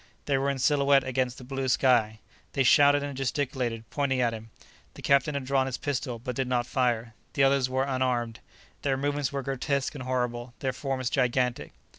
They were in silhouette against the blue sky. They shouted and gesticulated, pointing at him. The captain had drawn his pistol, but did not fire; the others were unarmed. Their movements were grotesque and horrible, their forms gigantic.